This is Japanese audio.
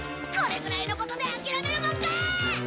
これくらいのことであきらめるもんか！